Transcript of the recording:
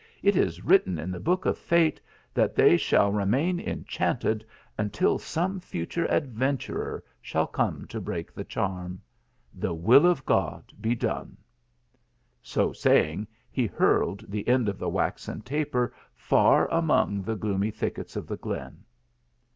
" It is written in the book of fate that they shall remain enchanted until some future adventurer shall come to break the charm. The will of God be done !" So saying he hurled the end of the waxen taper far among the gloomy thickets of the glen.